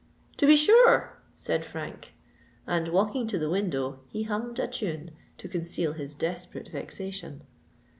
"To be sure!" said Frank: and, walking to the window, he hummed a tune to conceal his desperate vexation.